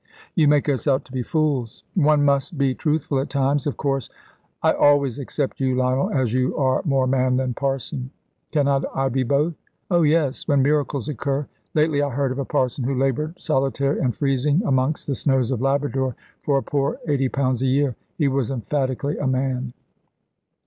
"You make us out to be fools." "One must be truthful at times. Of course, I always except you, Lionel, as you are more man than parson." "Cannot I be both?" "Oh, yes, when miracles occur. Lately I heard of a parson who laboured solitary and freezing amongst the snows of Labrador for a poor eighty pounds a year. He was emphatically a man."